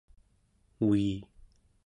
ui